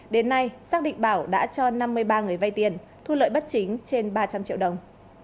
đến nay xác định bảo đã cho năm mươi ba người vay tiền thu lợi bất chính trên ba trăm linh triệu đồng